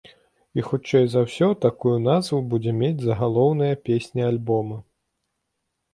І хутчэй за ўсё такую назву будзе мець загалоўная песня альбома.